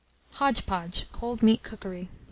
HODGE PODGE (Cold Meat Cookery).